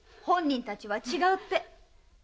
本人たちは違うって。